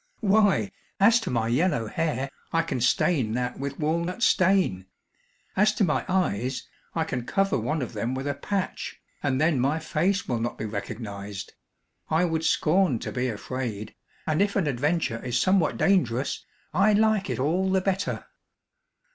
"Why, as to my yellow hair, I can stain that with walnut stain. As to my eyes, I can cover one of them with a patch and then my face will not be recognized. I would scorn to be afraid, and if an adventure is somewhat dangerous, I like it all the better."